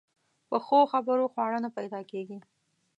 په ښو خبرو خواړه نه پیدا کېږي.